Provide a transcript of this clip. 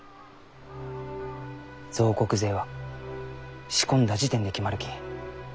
造石税は仕込んだ時点で決まるき。